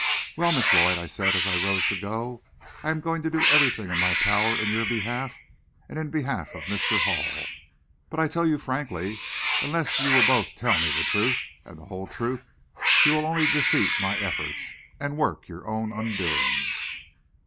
"Well, Miss Lloyd," I said, as I rose to go, "I am going to do everything in my power in your behalf and in behalf of Mr. Hall. But I tell you frankly, unless you will both tell me the truth, and the whole truth, you will only defeat my efforts, and work your own undoing."